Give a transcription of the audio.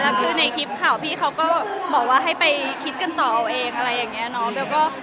แล้วคือในคลิปข่าวพี่เขาก็บอกว่าให้ไปคิดกันต่อเอาเองอะไรอย่างนี้เนาะ